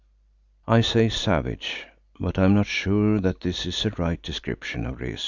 I say savage, but I am not sure that this is a right description of Rezu.